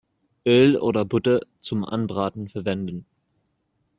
Öl oder Butter zum Anbraten verwenden.